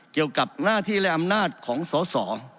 เกี่ยวกับหน้าที่และอำนาจของสอสอ